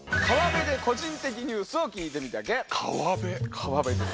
川辺です！